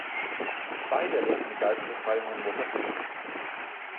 Beide erlebten die Geiselbefreiung in Mogadischu.